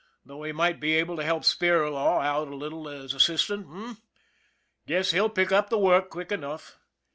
Thought he might be able to help Spirlaw out a little as assistant, h'm ? Guess he'll pick up the work quick enough.